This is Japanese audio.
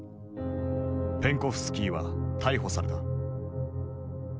ペンコフスキーは逮捕された。